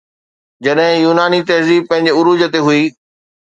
جڏهن يوناني تهذيب پنهنجي عروج تي هئي